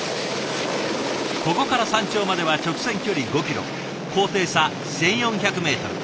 ここから山頂までは直線距離５ｋｍ高低差１，４００ｍ。